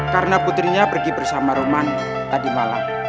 karena putrinya pergi bersama roman tadi malam